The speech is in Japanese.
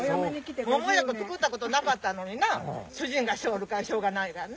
桃なんかつくったことなかったのにな主人がしよるからしょうがないがんな。